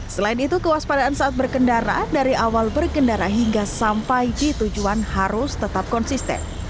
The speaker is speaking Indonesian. selain itu kewaspadaan saat berkendara dari awal berkendara hingga sampai di tujuan harus tetap konsisten